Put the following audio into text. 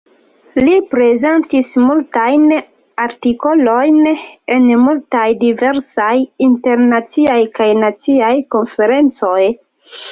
Li prezentis multajn artikolojn en multaj diversaj internaciaj kaj naciaj konferencoj.